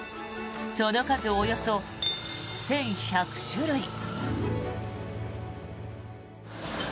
その数およそ１１００種類。